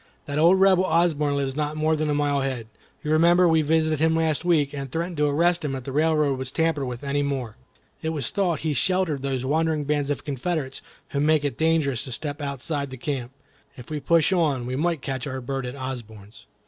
That old Rebel Osborne lives not more than a mile ahead. You remember we visited him last week, and threatened to arrest him if the railroad was tampered with any more. It was thought he sheltered these wandering bands of Confederates who make it dangerous to step outside the camp. If we push on, we may catch our bird at Osborne's."